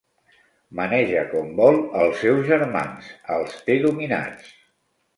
Maneja com vol els seus germans: els té dominats.